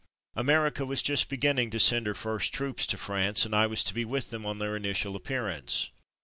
America was just beginning to send her first troops to France, and I was to be with them on their initial appearance.